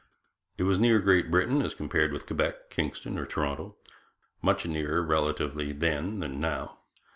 It was near Great Britain as compared with Quebec, Kingston, or Toronto; much nearer, relatively, then than now.